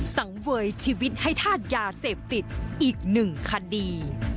สังเวยชีวิตให้ธาตุยาเสพติดอีกหนึ่งคดี